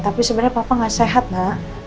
tapi sebenernya papa gak sehat nak